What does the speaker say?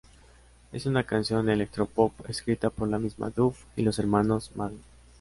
Es una canción electropop escrita por la misma Duff y los hermanos Madden.